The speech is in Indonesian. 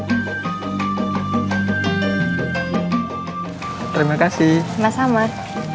terima kasih mas amar